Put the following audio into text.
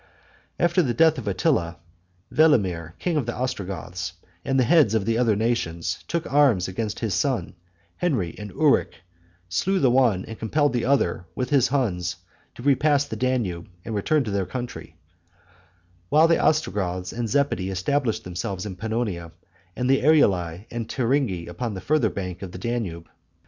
After the death of Attila, Velamir, king of the Ostrogoths, and the heads of the other nations, took arms against his sons Henry and Uric, slew the one and compelled the other, with his Huns, to repass the Danube and return to their country; while the Ostrogoths and the Zepidi established themselves in Pannonia, and the Eruli and the Turingi upon the farther bank of the Danube.